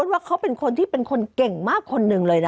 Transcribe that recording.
ว่าเขาเป็นคนที่เป็นคนเก่งมากคนหนึ่งเลยนะ